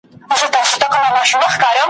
کله لس کله پنځلس کله شل وي `